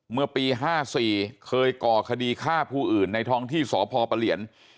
เมื่อปี๕๔เคยก่อคดีฆ่าผู้อื่นในท้องที่สพปะเหลียน